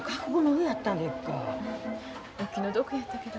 お気の毒やったけど。